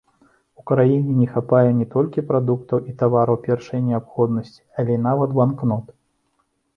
У краіне не хапае не толькі прадуктаў і тавараў першай неабходнасці, але нават банкнот.